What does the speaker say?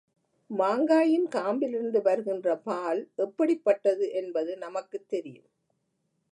மாங்காயின் காம்பிலிருந்து வருகின்ற பால் எப்படிப்பட்டது என்பது நமக்குத் தெரியும்.